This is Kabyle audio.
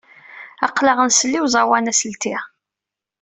Aql-aɣ nsel i uẓawan aselti.